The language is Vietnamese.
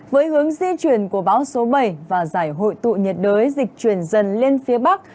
với hướng di chuyển của bão số bảy và giải hội tụ nhiệt đới dịch chuyển dần lên phía bắc